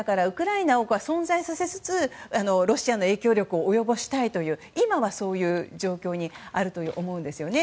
ウクライナを存在させつつロシアの影響力を及ぼしたいという、今はそういう状況にあると思います。